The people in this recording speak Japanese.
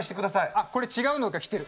あっこれ違うのが来てる。